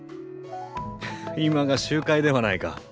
今が集会ではないか。